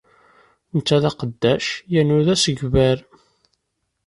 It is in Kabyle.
Netta d aqeddac yernu d asegbar.